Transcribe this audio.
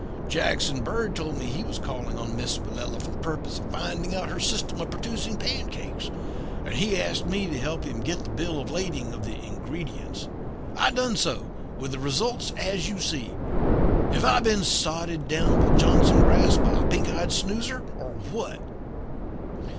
Jackson Bird told me he was calling on Miss Willella for the purpose of finding out her system of producing pancakes, and he asked me to help him get the bill of lading of the ingredients. I done so, with the results as you see. Have I been sodded down with Johnson grass by a pink eyed snoozer, or what?'